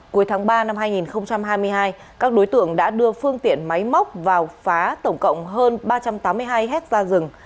cuối tháng ba năm hai nghìn hai mươi hai các đối tượng đã đưa phương tiện máy móc vào phá tổng cộng hơn ba trăm tám mươi hai hectare rừng